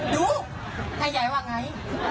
ดูใหญ่ว่าไง